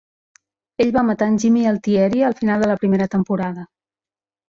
Ell va matar en Jimmy Altieri al final de la primera temporada.